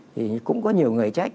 thì cũng có nhiều người trách